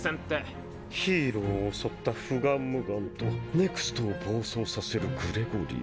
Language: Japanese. ヒーローを襲ったフガンムガンとＮＥＸＴを暴走させるグレゴリー。